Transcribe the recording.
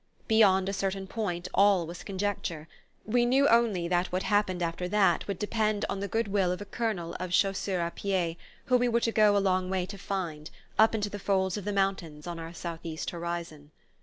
Beyond a certain point all was conjecture we knew only that what happened after that would depend on the good will of a Colonel of Chasseurs a pied whom we were to go a long way to find, up into the folds of the mountains on our southeast horizon.